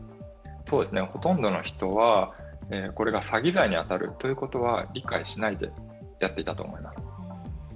ほとんどの人はこれが詐欺罪に当たるということは理解しないでやっていたと思います。